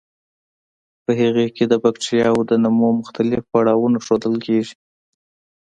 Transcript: په هغې کې د بکټریاوو د نمو مختلف پړاوونه ښودل کیږي.